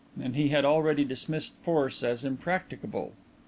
and he had already dismissed force as impracticable.